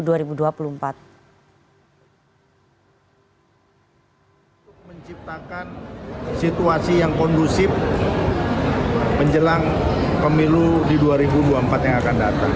untuk menciptakan situasi yang kondusif menjelang pemilu di dua ribu dua puluh empat yang akan datang